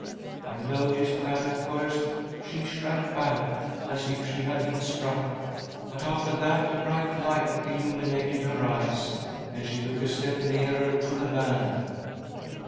I noticed that at first she shrank back, as if she had been struck, but after that a bright fight illuminated her eyes, and she took a step nearer to ■ the man.